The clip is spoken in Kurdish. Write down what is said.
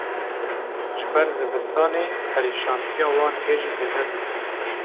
Ji ber zivistanê perîşantiya wan hê jî zêde dibû